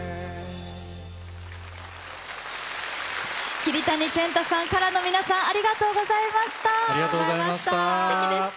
桐谷健太さん、ＫＡＲＡの皆ありがとうございました。